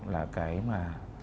là cái mà